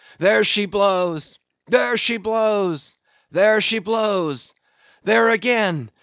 There she blows!—there she blows!—there she blows! There again!